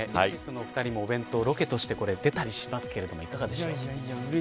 ＥＸＩＴのお二人もお弁当ロケとかで出たりしますがいかがでしょう。